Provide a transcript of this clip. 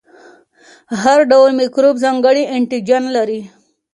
هر ډول میکروب ځانګړی انټيجن لري.